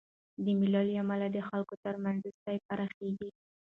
د مېلو له امله د خلکو ترمنځ دوستي پراخېږي.